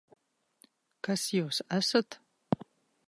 Kas Jūs esat?